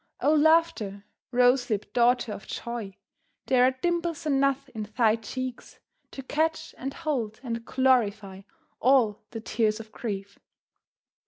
O Laughter, rose lipped daughter of Joy, there are dimples enough in thy cheeks to catch and hold and glorify all the tears of grief.